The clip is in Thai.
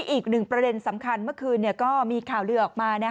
อีกหนึ่งประเด็นสำคัญเมื่อคืนก็มีข่าวลือออกมา